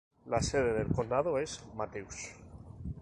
La sede del condado es Mathews.